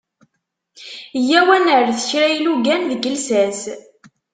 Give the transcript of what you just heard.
Yya-w ad nerret kra ilugan deg llsas.